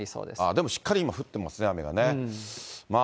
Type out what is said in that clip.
でもしっかり今、降ってますね、雨がね。